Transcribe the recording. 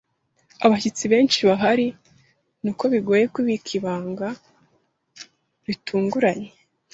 Abashyitsi benshi bahari, niko bigoye kubika ibanga ritunguranye.